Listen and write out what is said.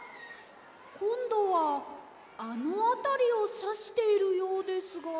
こんどはあのあたりをさしているようですが。